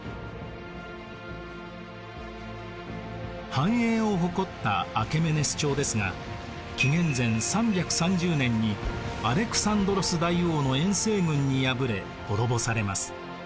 繁栄を誇ったアケメネス朝ですが紀元前３３０年にアレクサンドロス大王の遠征軍に敗れ滅ぼされます。